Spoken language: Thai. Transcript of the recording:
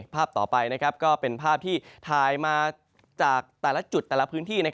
ภาพต่อไปก็เป็นภาพที่ถ่ายมาจากแต่ละจุดแต่ละพื้นที่